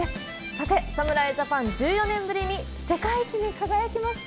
さて、侍ジャパン、１４年ぶりに世界一に輝きました。